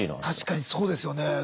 確かにそうですよね。